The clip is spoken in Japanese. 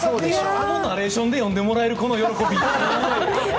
あのナレーションで読んでもらえるこの喜び。